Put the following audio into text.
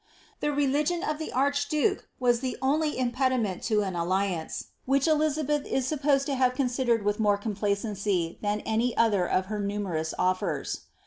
The relitrion of the archduke was the only impediment to an alliance, which Elizabeth is supposed to have considered witli more complacency than any other of her numerous offers.